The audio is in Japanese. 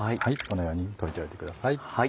このように溶いておいてください。